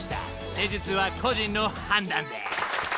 ［施術は個人の判断で］